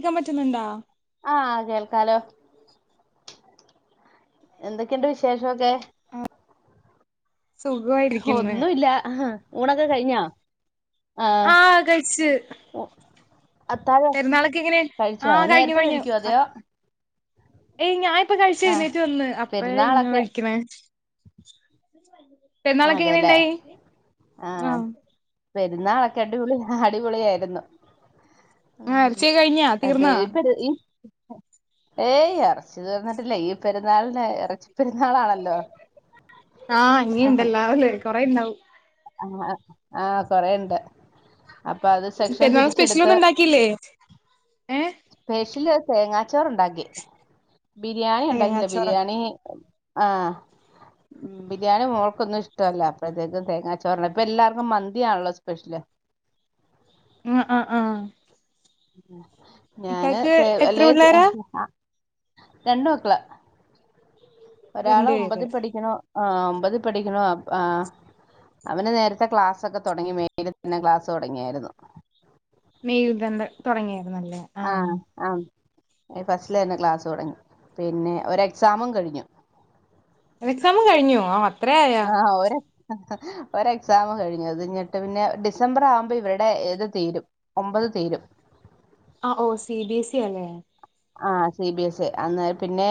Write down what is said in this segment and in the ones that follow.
ക്കൻ പറ്റുന്നുണ്ടോ? ആഹ കേൾക്കാലോ എന്തൊക്കെയുണ്ട് വിശേഷമൊക്കെ സുഖമായിരിക്കുന്ന് ഒന്നുംല്ല ഊണൊക്കെ കഴിഞ്ഞാ ആഹ് കഴിച്ച് ഉ- അത്താഴം പെരുന്നാൾക്കെ ഇങ്ങനെ കഴിച്ചോ ആഹ കഴിഞ്ഞു നേരത്തെ കഴിഞ്ഞു കഴിക്കുവോ അതെയോ ഏയ് ഞാാനിപ്പ കഴിച്ചു ആഹ് കഴുന്നേറ്റ് വന്ന് അപ്പ ഇങ്ങനെ പെരുന്നാളൊക്കെ വഴിക്കണേ പെരുന്നാളൊക്കെ അതെല്ലേ എങ്ങനെുണ്ടായി ആഹ ആഹ് പെരുന്നാളൊക്കെ അടിപൊളി അടിപൊളിയായിരുന്നു ഉ നേർച്ചയൊക്കെ കഴിഞ്ഞാ അപ്പ തീർന്നാ ഇപ്പൊ ഈ ഏയ് ഇറച്ചി തീർന്നിട്ടില്ലേ ഈ പെരുന്നാളിന ഇറച്ചി പെരുന്നാളാണല്ലോ ആഹ് ഇങ്ങിയുണ്ടല്ലാവല്ല കൊറെ ഇണ്ടാവും ആ ആഹ കൊറെ ഉണ്ട് അപ്പൊ അത് സെക്ഷൻ പെരുന്നാൾ സ്പെഷ്യൽ തിരിച്ചെടുത്ത് ഒന്നും ഉണ്ടാക്കിയില്ലേ ഏഹ് സ്പെഷ്യല് തേങ്ങാച്ചോറ ഉണ്ടാക്കി ബിരിയാണി ഉണ്ടാക്കില്ല തേങ്ങാച്ചോറ് ബിരിയാണി ആഹ ബിരിയാണി മോൾക്കൊന്നും ഇഷ്ടമല്ല അപ്പഴത്തേക്കും തേങ്ങ ചോർണ് ഇപ്പൊ എല്ലർക്കും മന്തിണല്ലോ സ്പെഷ്യല് ആ ആഹ ആഹ ഞാന് ത എത്ര അല്ലെ പിള്ളേരാ രണ്ട മക്കല ഒരാളെ രണ്ട് ഒമ്പത് പേര് പഠിക്കണോ ആഹ് ഒമ്പത് പഠിക്കണും ആ അവന് നേരത്തെ ക്ലാസ്ക്കെ തുടങ്ങി മെയിൽ തന്നെ ക്ലാസ് തുടങ്ങിയായിരുന്നു മെയിൽ തന്ന തുടങ്ങിയായിുന്നല്ലേ ആഹ് ആ ഫസ്റ്റില തന്ന് ക്ലാസ്സ് തുടങ്ങി പിന്നെ ഒ എക്സാമും കഴിഞ്ഞു എക്സാം കഴിഞ്ഞു ആ ആഹ് ഓര് ഒരു എക്സാം കഴിഞ്ഞു എഞ്ഞിട്ട് പിന്നെ ഡിസംബറാവുമ്പോൾ ഇവരുടെ ഇത് തീരും ഒമ്പത് തീരും ആഹ് ഒ സി ബി സി അല്ലേ ആഹ് സി ബി എസ് ഇ അന്നേ പിന്നെ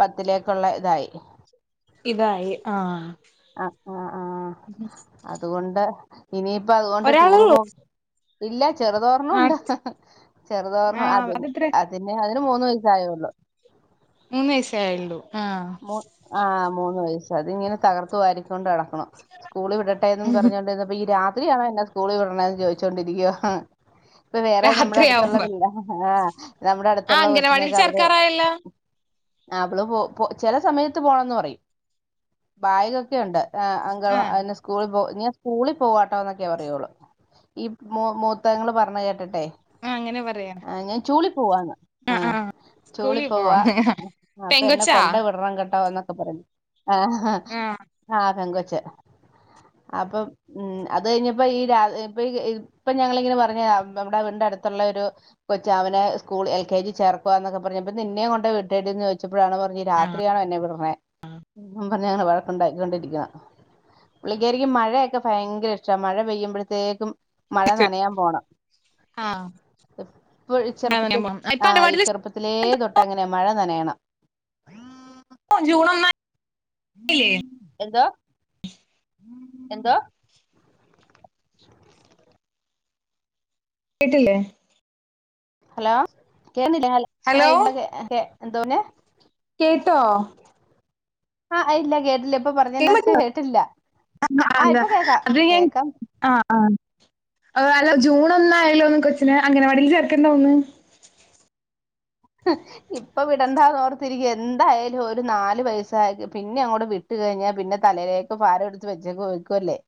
പത്തിലേക്കുള്ള ഇതായി ഇതായി ആഹ് ആഹ് ആഹ് ആഹ് അതുകൊണ്ട് ഇനിയിപ്പ അതുകൊണ്ട് ടൂറ് ഒരാളെള്ളൂ പോ ഇല്ല ആഹ് ചെറുതൊരെണ്ണമുണ്ട് ചെറുതോരണ്ണം ആഹ് അതെ അതെത്ര അതെ പിന്നെ അതിന് മൂന്ന് വയസ്സായുള്ളൂ മൂന്ന് വയസേയായുള്ളൂ ആഹ് മൂ ആഹ് മൂന്ന് വയസ്സ് അതിങ്ങനെ തകർത്തുവാരിക്കൊണ്ടു നട സ്കൂളിൽ വിടട്ടെന്നും പറഞ്ഞോണ്ടിരുന്നപ്പ ഈ രാത്രിയാണോ എന്നെ സ്കൂളിൽ വിടണെന്ന് ചോദിച്ചോണ്ടിരിക്കുവാ ഇപ്പ വേറെ നമ്മുടെ അടുത്തുള്ള രാത്രിയാവുമ്പോ പിള്ളേ ആഹ് നമ്മുടെ ആഹ് അടുത്തുള്ള അംഗനവാടിൽ കൊച്ചിനൊക്കെ അവര് ചേർക്കാറായല്ലോ ആഹ് അവള് പോ പോ ചില സമയത്ത് പോണന്ന് പറയും ബാഗക്കെയുണ്ട് ആഹ് അംഗന ആഹ് അതിന്റെ സ്കൂളിൽ പോയി കഴിഞ്ഞ് സ്കൂളിൽ പോവാട്ടോ എന്നൊക്കെ പറയോള്ളൂ ഈ മൂത്തങ്ങള് പറഞ്ഞത് കേട്ടിട്ടെ ആഹ് അങ്ങനെ പറയും ആഹ് ഞാൻ ചൂളി പോവ്വാന്ന് ആഹ് ചൂളി സ്കൂളിൽ പോവാ പോവാന്ന് അപ്പൊ എന്നെ പെങ്കൊച്ചാ കൊണ്ട വിടണം കെട്ടോ എന്നൊക്കെ പറയും ആഹ് ആഹ് ആഹ് പെങ്കൊച്ച് അപ്പം ഉം അത് കഴിഞ്ഞപ്പോ ഈ രാ ഇപ്പൊ ഇപ്പൊ ഞങ്ങളിങ്ങനെ പറഞ്ഞതാ നമ്മുടെ വീടിന്റെ അടുത്തുള്ളൊരു കൊച്ചവനെ സ്കൂളിൽ എൽ കെ ജി ചേർക്കുവാന്നൊക്കെ പറഞ്ഞപ്പ നിന്നെയും കൊണ്ട് വിടട്ടേടിന്ന് ചോദിച്ചപ്പോഴാണ് ഈ രാത്രിയാണോ എന്നെ വിടണെ എന്നും പറഞ്ഞാണ് വഴക്കുണ്ടാക്കിക്കൊണ്ടിരിക്കുവാ പുള്ളിക്കാരിക്ക് മഴയൊക്കെ ഭയങ്കര ഇഷ്ടമാ മഴ പെയ്യുമ്പഴത്തേക്കും മഴ നനയാൻ പോണം ആഹ് ഇപ്പൊ ചെറുപ്പത്തി ഇപ്പൊ ആഹ് ഈ അംഗനവാടില് ചെറുപ്പത്തി ത്തിലേ തൊട്ട് അങ്ങനെയാ മഴ നനയണം ജൂൺ ഒന്നാ എന്തുവാ എന്തുവാ കേട്ടില്ലേ ഹലോ ഹലോ കേന്നില്ലേ [inaudible] എന്തോ പറ്ഞ്ഞേ കേട്ടോ ആഹ് ഇല്ല കേട്ടില്ല ഇപ്പ പറഞ്ഞെനത്ത് കേട്ടില്ല ആഹ് അല്ല ഇപ്പൊ കേൾക്കാം അത് ഞാൻ കേക്കാം ആഹ് ആഹ് അല്ല ജൂൺ ഒന്നായല്ലോ ഒന്ന് കൊച്ചിനെ അംഗനവാടിയിൽ ചേർക്കണ്ടോന്ന് ഇപ്പൊ വിടണ്ടാന്നോർത്തിരിക്ക്യ എന്തായാലും ഒരു നാല് വയസ്സായിട്ട് പിന്നെ അങ്ങോട്ട് വി വിട്ട് കഴിഞ്ഞാൽ പിന്നെ തലയിലേക്ക് ഭാരം എടുത്ത് വെച്ചേക്ക് ഒഴുക്കുവല്ലേ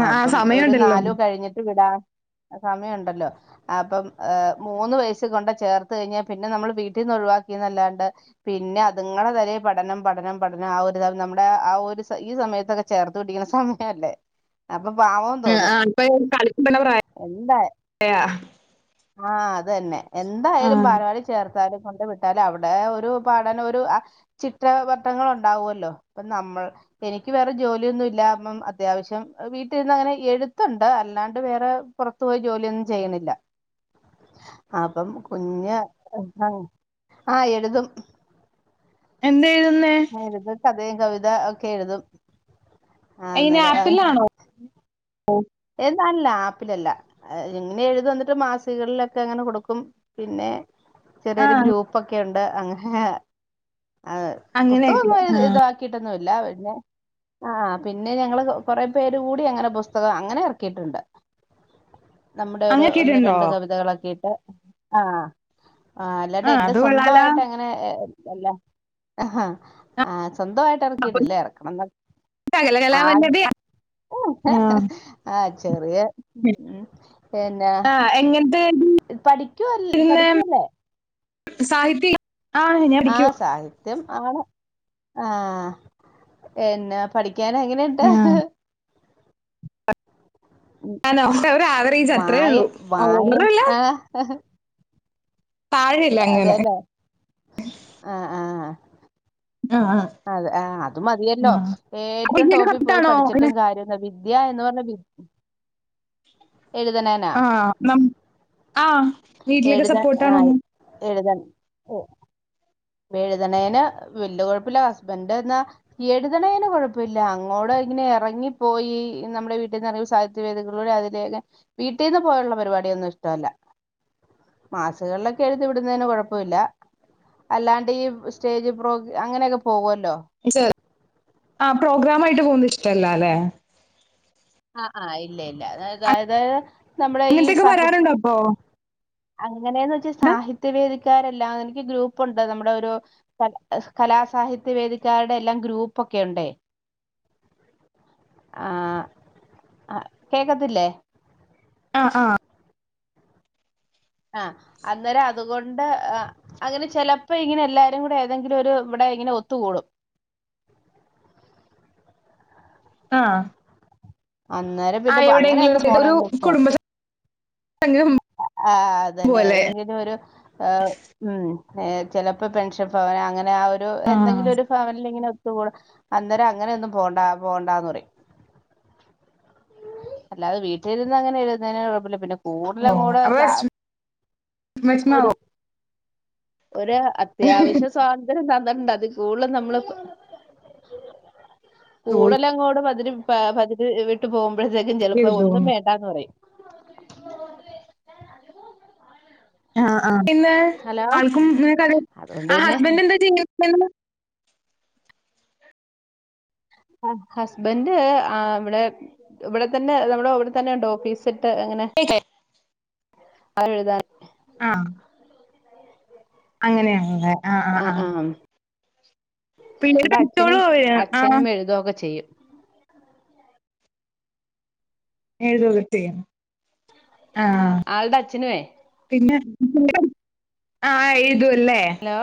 ആഹ് ആഹ് അപ്പം ഒരു സമയമുണ്ടല്ലോ നാലോ കഴിഞ്ഞിട്ട് വിടാം സമയമുണ്ടല്ലോ അപ്പം മൂന്ന് വയസ്സി കൊണ്ട് ചേർ ത്ത് കഴിഞ്ഞാൽ പിന്നെ നമ്മള് വീട്ടീന്ന് ഒഴിവാക്കിയന്നല്ലാണ്ട് പിന്നെ അതുങ്ങളെ തലയിൽ പഠനം പഠനം പഠനം ആഹ് ഒരിതാവും നമ്മുടെ ആഹ് ഒരു ഈ സമയത്തൊക്കെ ചേർത്ത് പിടിക്കണ സമയല്ലേ അപ്പൊ പാവം ആഹ് തോന്നും അപ്പൊ കളിക്കണ പ്രായം എന്താ അല്ല്യാ ആഹ് അതന്നെ എന്തായാലും ആഹ് ബാലവാടി ചേർ കൊണ്ടു വിട്ടാലും അവിടെ ഒരു പഠനൊരു ചിട്ടാവട്ടങ്ങൾ ഉണ്ടാവുമല്ലോ ഇപ്പൊ നമ്മൾ എനിക്ക് വേറെ ജോലിയൊന്നും ഇല്ല അപ്പം അത്യാവശ്യം വീട്ടിന്ന് അങ്ങനെ എഴുത്തൊണ്ട് അല്ലാണ്ട് വേറെ പുറത്തു പോയി ജോലിയൊന്നും ചെയ്യുന്നില്ല അപ്പം കുഞ്ഞ് ആ എഴുതും എന്ത് എഴുതുന്നേ എഴുതും കഥയും കവിത ഒക്കെ എഴുതും ആ അയിന് അന്നേരം ആപ്പിളാണോ ഓ ഏതണല്ല ആപ്പിളല്ല ഇങ്ങനെ എഴുതും എന്നിട്ട് മാസികകളിലൊക്കെ അങ്ങനെ കൊടുക്കും പിന്നെ ചെറിയൊരു ആഹ് ഗ്രൂപ്പൊക്കെ ഉണ്ട് അങ്ങനെ അതെ പുസ്തകം അങ്ങനെയൊക്കെ ഇതി ന്ന പിന്നെ ആ പിന്നെ ഞങ്ങള് കുറെ പേര് കൂടി അങ്ങനെ പുസ്തകമാക്കി അങ്ങനെ ഇറക്കിയിട്ടുണ്ട് നമ്മുടെ ഒരു ഒന്ന് അങ്ങനെയൊക്കെയിട്ടുണ്ടോ രണ്ട് കവിതകളൊക്കെയിട്ട് ആഹ് ആ അല്ലാണ്ട് ആഹ് എന്റെ അത് കൊള്ളാലോ സ്വന്തമായിട്ട് അങ്ങനെ ല്ല ആഹ് ആ സ്വന്തമായിട്ട് റക്കിയിട്ടില്ലേ ഇറക്കണം ആഹ് സകലകലാവല്ലഭ്യ ആഹ് ആഹ് ചെറിയ പിന്നെ ആ എങ്ങനത്തെ പഠിക്കൂ പഠിക്കൂല്ലേ സാഹിത്യം ആ സാഹിത്യം ആണ് ആഹ് പിന്നെ പഠിക്കാന എങ്ങനെയ ഇണ്ട്? ആഹ് ഉം, അണോ ഒരാവറേജ് വായ അത്രേള്ളൂ അഹ് വായ ഒന്നുല്ല ആ പാഴ് - അതെല്ലേ ആഹ് ആഹ് ആഹ് - അതെ ആഹ് അത് മതിയല്ലോ അപ്പൊ ഏറ്റവും ഇങ്ങക്ക് ടോപ്പിൽ പോയി സപ്പോട്ടാണോ പിന്നെ പഠിച്ചിട്ടും കാര്യം നവി വിദ്യയ എന്ന് പറഞ്ഞ എഴുതനാനാ ആഹ് നം ആഹ് വീട്ടിലൊക്കെ എഴുതൻ ആഹ് സപ്പോർട്ടാണോന്ന് എഴതാണ് ഓഹ് എഴുതണേന് വലിയ കുഴപ്പില്ല ഹസ്ബൻറ്റ് എന്നാ എഴുതണേനെ കൊഴപ്പമില്ല അങ്ങോട്ട ഇങ്ങനെ ഇറങ്ങിപ്പോയി നമ്മുടെ വീട്ടിൽന്ന് സ പ്രവേദികളട് അതില വീട്ടിൽന്ന് പോയുള്ള പരിപാടിയൊന്നും ഇഷ്ടമല്ല. മാസുകളിലൊക്കെ എഴുത്ത് വിടുന്നതിന് കുഴപ്പമില്ല- അല്ലാണ്ട് ഈ സ്റ്റേജ് പ്രാ അങ്ങനെയൊക്കെ പോകുമല്ലോ ആഹ് പ്രോഗ്രാാം ആയിട്ട് പോകുന്നത് ഇഷ്ടല്ല അല്ലെ? ആഹ് ആഹ് ഇല്ല ഇല്ല അത അതായത് നമ്മുടെ ഈ ഇങ്ങത്തേക്ക സാഹിത്യ വരാറുണ്ടോ അപ്പൊ? അങ്ങനെയന്ന് വെച്ചാൽ സാഹിത്യവേദിക്കാരെല്ലാം എനനിക്ക് ഗ്രൂപ്പുണ്ട് നമ്മുടെ ഒരു- കലാസാഹിത്യ വേദിക്കാരുടെ എല്ലാം ഗ്രൂപ്പൊക്കെ ഉണ്ട്- [inaudible] ആഹ് കേക്കത്തില്ലേ? ആഹ് ആഹ് ആഹ് അന്നേരം അതുകൊണ്ട് അങ്ങനെ ചെപ്പോ ഇങ്ങനെ എല്ലാരും കൂടെ ഏതെങ്കിലും ഒരു ഇവിടെ ഇങ്ങനെ ഒത്തുകൂടും. ആഹ് അന്നേരം ആ പിന്നെ അങ്ങനെയ എവിടെയെങ്കിലും ഒന്നന്ന് ഒരു ഒരു പോണേന്ന് വെച്ചാൽ കുടുംബ സംഗമം ആഹ് അതന്നെ പോലെ ഏതെങ്കിലും ഒരു ആഹ് - ഉം ചിലപ്പോ പെൻഷൻ ഭവന അങ്ങനെ ആഹ് ഒരു ആഹ് എന്തെങ്കിലും ഒരു അവന ഇങ്ങനെ ഒത്തുകൂ അന്നേരം അങ്ങനെ ഒന്നും പോണ്ട പോകണ്ടന്ന് പറയും. അല്ലാതെ വീട്ടിലരുന്ന് അങ്ങനെ എഴുുന്നതിനന് കുഴപ്പമില്ല പിന്നെ- ഓ കൂറലും അപ്പൊ കൂടെതാ വിഷമാവോ ഒരു- ഒരു അത്യാവശ്യ സ്വാതന്ത്ര്യം തന്ത്രുണ്ട് അത് കൂടുതൽ നമ്മള് [inaudible] കൂടല അങ്ങോട്ട പതിര് പതിര് വിട്ട് പോകുമ്പോഴത്തേക്കും ചിലപ്പോ ഒന്നും ചോദിക്കരുതോന്ന് വേണ്ടാന്ന് പറയും. പിന്നെ ഹലോ ആൾക്കും ക അതുകൊണ്ട് ആഹ് പിന്നെ ഹസ്ബൻഡ് എന്താ ചെയ്യന്ന്? ഹസ്ബൻഡ് ആഹ് ഇവിടെ ഇവിടെ തന്നെ നമ്മുടെവിടെ തന്നെ ഉണ്ടോ ഓഫീസ് യിട്ട് അങ്ങനെ- [unintelligible] ആഹ് എഴുതാൻ- ആഹ്- അങ്ങനെയണല്ല- ആഹ് ആഹ് പിള്ളേര് എന്റെ പഠിച്ചോളോ അച്ഛനും അവര് ആഹ് അച്ഛനും എഴുതൊക്കെ ചെയ്യും. എഴുതുഒകെ ചെയ്യും ആ ആഹ് ആളുടെ അച്ഛനുവേ പിന്നെ ആഹ് എഴുതു അല്ലേ? ഹലോ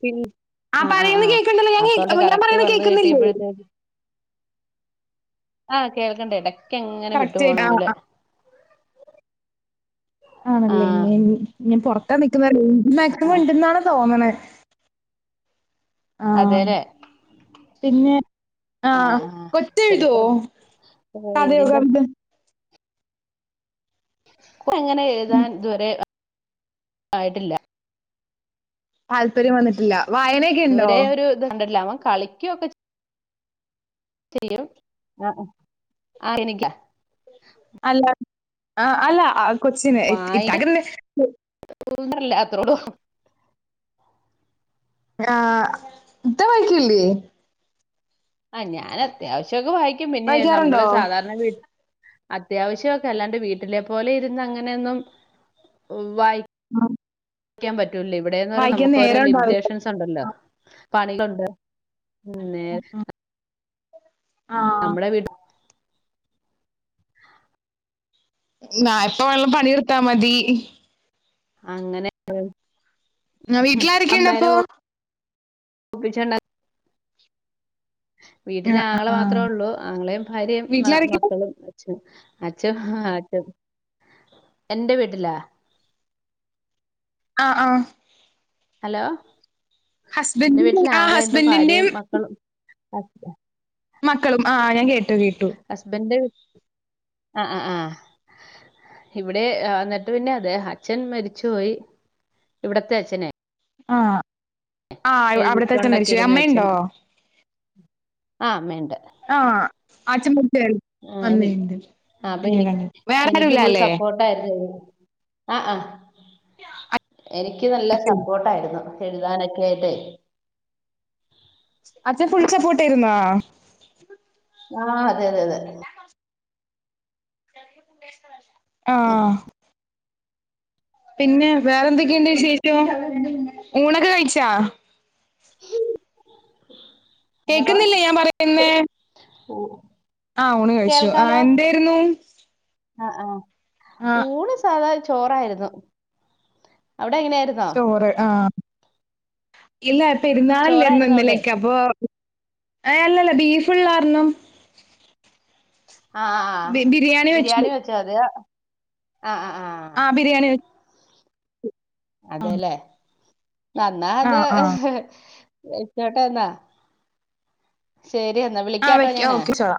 പിൻ- ആ ആഹ് ആഹ് പറയുന്ന ആഹ് കേൾക്കണ്ടല്ലോ ഞാൻ കേ അപ്പൊണ്ട് ഞാൻ കറക്റ്റ് പറയുന്ന വന്ന് കേൾക്കുന്നില്ലേ കിട്ടിയപ്പോഴത്തേ ആഹ് കേൾക്കണ്ടേ ഇടക്ക എങ്ങനെ വിട്ടു കറക്റ്റ് പോണ ആയിട്ട് ആഹ് പോലെ- ആഹ് ആ ആണല്ലേ ഇ ഇ പുറത്താ നിക്കുന്ന മാക്സിമം ഉണ്ടന്നാണ് തോന്നണ അതെല്ലേ- പിന്നെ ആ ആഹ് ആ കൊച്ച എഴുതോ ചിലപ്പോ റേഞ്ചിന്റെ കഥയകത്? എങ്ങനെ എഴുതാൻ ഇതുവരെ ആയിട്ടില്ല. താല്പര്യം വന്നിട്ടില്ല വായന ഇതുവരെ ഒരു ഇത്ണ്ടില്ല അവൻ കളിക്കും ഒക്കെ ചെയ്യും ആഹ് ആഹ് എനിക്കാ അല്ല ആഹ് അല്ല കൊച്ചിന് ഇട്ട അക ഓന്നറല്ല അത്രോട ആഹ് ഇത വഴിക്കില്ലേ ആഹ് ഞാൻ അത്യാവശ്യംസാക്കെ വായിക്കും പിന്നെ നമ്മള് വായിക്കാറുണ്ടോ സാധാരണ വീട് അത്യാവശ്യൊക്കെ അല്ലാണ്ട് വീട്ടിലെ പോലെ ഇരുന്ന് അങ്ങനെയൊന്നും വായി ആഹ് ക്കാൻ പറ്റൂല ഇവിടെന്ന് പറയ്പ വായിക്കാൻ നമുക്ക് ഓരോ നേരം ഉണ്ടാവില്ല ലിമിറ്റേഷൻസ് ഉണ്ടല്ലോ പണികണ്ട് ഉം നേര് ആഹ് നമ്മുടെ വീട്ടിലിൽ ന എപ്പൊ എല്ലാം പണിർത്താ മതി അങ്ങനെ ആഹ് [unintelligible] വീട്ടിലാരൊക്കെയുണ്ട് അപ്പൊ അമ്പരെപ്പിച്ചണ്ട വീട്ടിലെ ആഹ് ആഹ് ആങ്ങളെ ആഹ് മാത്രേ ഉള്ളൂ ആങ്ങളെയും ഭാര്യയും മ വീട്ടിലാരൊക്കെയാ മക്കളും അച്ഛ ആഹ് അച്ച എന്റെ വീട്ടിലാ ആഹ് ആഹ് ഹലോ എന്റെ ഹസ്ബൻഡിന്റെ വീട്ടിൽ ആഹ് ആങ്ങളെുണ്ട് ഭാര്യയും ഹസ്ബൻഡിന്റെയും മക്കളും മക്കളും ആഹ് ഞാൻ കേട്ടു കേട്ടു ഹസ്ബൻഡന്റെ ആഹ് ആഹ് ആഹ് ഇവിടെ എന്നിട്ട് പിന്നെ അതെ അച്ഛൻ മരിച്ചു പോയി ഇവിടത്തെ അച്ഛന ആഹ് ആഹ് അവിടത്തെ അച്ഛൻ എഴുതിക്കൊണ്ടൊക്കെ മരിച്ചു ഇരുന്ന അച്ഛൻ അമ്മയുണ്ടോ ആ അമ്മയുണ്ട് ആഹ് ആച്ചൻമചരിച്ച് ആ എനി അമ്മണ്ട് വേറെരുല്ല അല്ലേ [unintelligible] ആഹ് ആഹ് എനിക്ക് നല്ല സപ്പോർട്ട ആയിരുന്നു എഴുതാനൊക്കെ ഇത് അച്ഛൻ ഫുൾ സപ്പോട്ട്യിരുന്നാ ആഹ് അതെ അതെ അതെ ആഹ് പിന്നെ വേറെന്തൊക്കെയുണ്ട് വിശേഷം ഊണൊക്കെ കഴിച്ചാ കേക്ക്ന്നില്ലേ ഞാൻ പറയ്ന്നെ? ഓഹ് ആഹ് ഊണ് കഴിച്ചു ആഹ് എന്തെര്ന്നു? ആഹ് ആഹ് ഊണ് സ് സാധാ ചോറായിര്ന്നു അവിടെ എങ്ങനെയാ ചോറ് ആഹ് ഇല്ല പെരുന്നാളെല്ലേര്ന്നു ചോറായിരുന്നോ അവിടെ ഇന്നലെയെക്കെ അപ്പൊ ഏഹ് അല്ലല്ല ബീഫ്ള്ളാര്ണം ആഹ് ആഹ് ആഹ് ബി വെച്ചു ബിരിയാണി വെച്ചോ അത് ആഹ് ആഹ് ആഹ് ബിരിയാണി അതെല്ലേ ഇന്ന അത് ആഹ് ആഹ് ഇഹ് ഇഹ് കേട്ടോ ശെരി എന്നാ ആഹ് വിളിക്കാട്ടോ വെക്ക ഞാന് ഓക്കെ ചോളാം